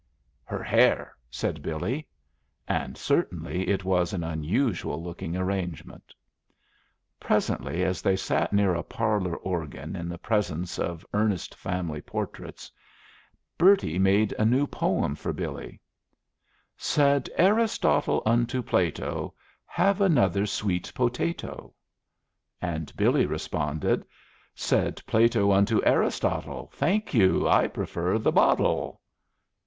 "Her hair," said Billy. And certainly it was an unusual looking arrangement. Presently, as they sat near a parlor organ in the presence of earnest family portraits, Bertie made a new poem for Billy, "Said Aristotle unto Plato, 'Have another sweet potato? '" And Billy responded, "Said Plato unto Aristotle, 'Thank you, I prefer the bottle.